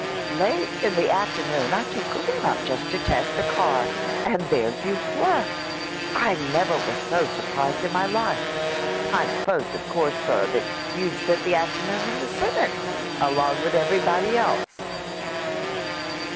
"Late in the afternoon I took a run up just to test the car and there you were! I never was so surprised in my life. I supposed, of course, sir, that you'd spent the afternoon in the Senate, along with everybody else."